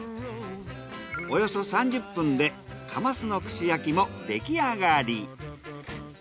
およそ３０分でカマスの串焼きもできあがり。